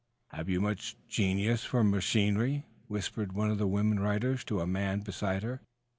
"Have you much genius for machinery?" whispered one of the women writers to a man beside her.